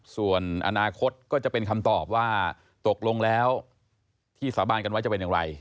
ส่วนอนาคตก็จะเป็นคำตอบว่าตกลงแล้วที่สาบานกันไว้จะเป็นอย่างไร